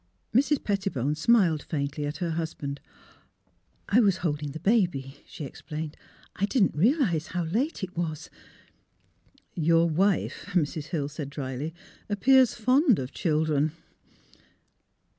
Mrs. Pettibone smiled faintly at her husband. ^' I — was holding the baby," she explained. " I didn't realise how — late it was." '' Your wife," Mrs. Hill said, dryly, " appears fond of children."